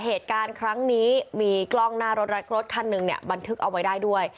เหตุการณ์ครั้งนี้มีกล้องหน้ารถและรถคันหนึ่งเนี่ยบันทึกเอาไว้ได้ด้วย